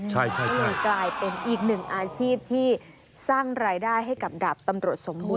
ใช่เลยกลายเป็นอีกหนึ่งอาชีพที่สร้างรายได้ให้กับดาบตำรวจสมบูร